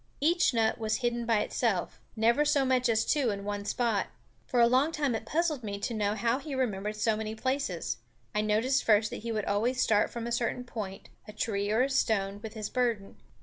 Each nut was hidden by itself; never so much as two in one spot. For a long time it puzzled me to know how he remembered so many places. I noticed first that he would always start from a certain point, a tree or a stone, with his burden.